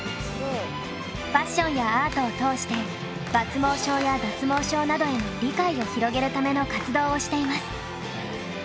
ファッションやアートを通して抜毛症や脱毛症などへの理解を広げるための活動をしています。